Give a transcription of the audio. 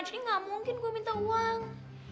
jadi nggak mungkin gue minta uang